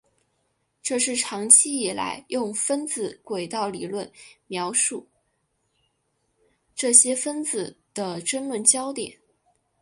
这是长期以来用分子轨道理论描述这些分子的争论焦点。